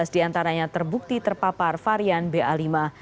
satu ratus empat belas diantaranya terbukti terpapar varian ba lima